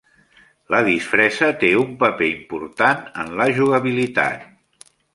La disfressa té un paper important en la jugabilitat.